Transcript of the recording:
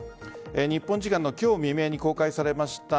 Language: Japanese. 日本時間の今日未明に公開されました